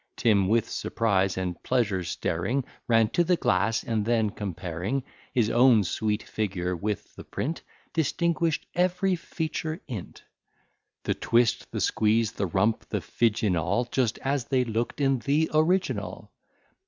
Tim, with surprise and pleasure staring, Ran to the glass, and then comparing His own sweet figure with the print, Distinguish'd every feature in't, The twist, the squeeze, the rump, the fidge in all, Just as they look'd in the original.